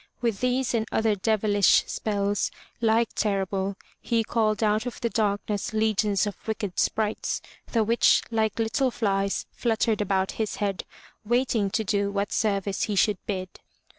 With these and .^(•^i^^o, \^i% .' other deviUsh spells, like terrible, he called out of the darkness legions of wicked sprites, the which like little flies fluttered about his head, waiting to do what service he should bid.